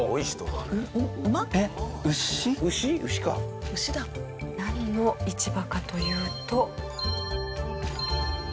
なんの市場かというと。